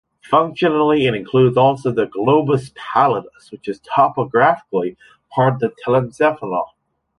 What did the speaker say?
Functionally it includes also the globus pallidus which is topographically part of the telencephanol.